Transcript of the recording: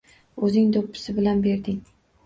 O‘zing do‘ppisi bilan berding.